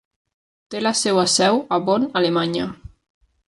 Té la seva seu a Bonn, Alemanya.